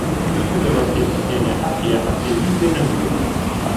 شل دەبەستێ پشتێنێ حەقیە حەقیە زیز بێ نەمدوێنێ